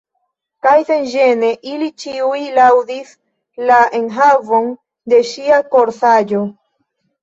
Kaj senĝene, ili ĉiuj laŭdis la enhavon de ŝia korsaĵo.